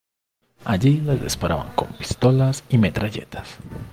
Allí les disparaban con pistolas y metralletas.